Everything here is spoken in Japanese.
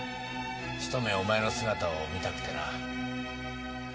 一目お前の姿を見たくてな。